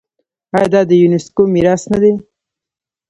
آیا دا د یونیسکو میراث نه دی؟